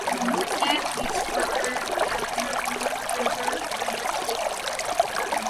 The game is controlled via a joystick, paddles, or the keyboard.